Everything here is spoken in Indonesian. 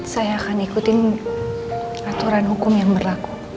saya akan ikutin aturan hukum yang berlaku